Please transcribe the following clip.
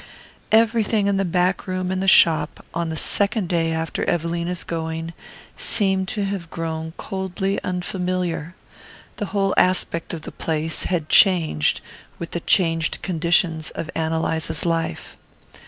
Everything in the back room and the shop, on the second day after Evelina's going, seemed to have grown coldly unfamiliar. The whole aspect of the place had changed with the changed conditions of Ann Eliza's life.